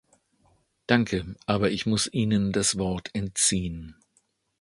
Danke, aber ich muss Ihnen das Wort entziehen.